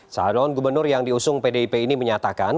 salon gubernur yang diusung pdip ini menyatakan